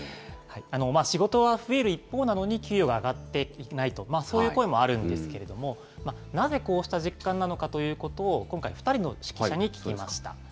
仕事は増える一方なのに、給料が上がってないと、そういう声もあるんですけれども、なぜこうした実感なのかということを、今回２人の識者に聞きました。